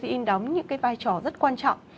protein đóng những cái vai trò rất quan trọng